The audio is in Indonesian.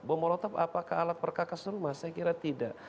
bomolotop apakah alat perkakas rumah saya kira tidak